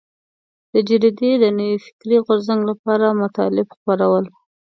دې جریدې د نوي فکري غورځنګ لپاره مطالب خپرول.